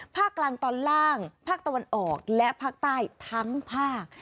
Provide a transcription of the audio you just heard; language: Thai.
ภาคกลางตอนล่างภาคตะวันออกและภาคใต้ทั้งภาค